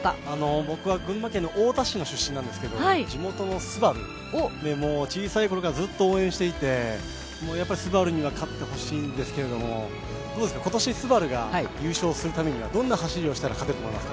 僕は群馬県太田市の出身なんですけど地元のＳＵＢＡＲＵ、小さい頃からずっと応援していて、ＳＵＢＡＲＵには勝ってほしいんですけれども今年ＳＵＢＡＲＵが優勝するためにはどんな走りをすれば勝てると思いますか？